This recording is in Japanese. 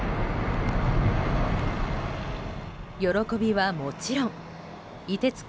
喜びはもちろんいてつく